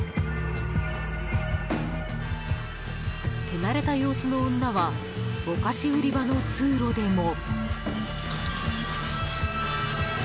手慣れた様子の女はお菓子売り場の通路でも。